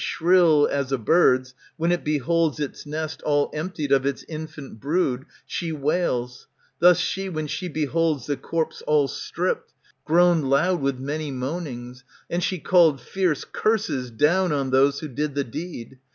Shrill as a bird's, when it beholds its nest All emptied of its infant brood, she wails ; Thus she, when she beholds the corpse all stript, 155 ANTIGONE Groaned loud with many meanings, and she called Fierce curses down on those who did the deed.